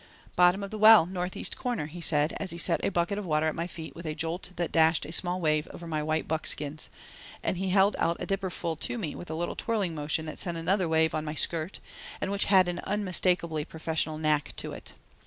"Bottom of the well, northeast corner," he said, as he set a bucket of water at my feet with a jolt that dashed a small wave over my white buckskins, and he held out a dipper full to me with a little twirling motion that sent another wave on my skirt and which had an unmistakably professional knack to it.